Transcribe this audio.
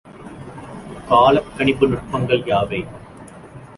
காலக்கணிப்பு நுட்பங்கள் யாவை?